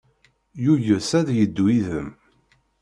Yuyes ad yeddu yid-m.